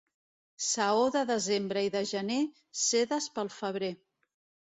Saó de desembre i de gener, sedes pel febrer.